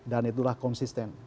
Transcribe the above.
dan itulah konsisten